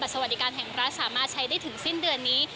สวัสดิการแห่งรัฐสามารถใช้ได้ถึงสิ้นเดือนนี้